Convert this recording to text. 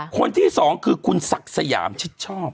คนที่๒คือคุณสักษะยามชอบ